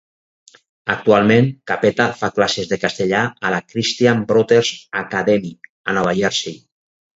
Actualment, Cappetta fa classes de castellà a la Christian Brothers Academy, a Nova Jersei.